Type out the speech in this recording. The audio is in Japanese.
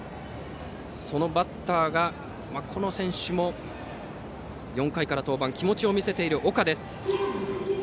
そのバッターがこの選手も４回から登板気持ちを見せている岡です。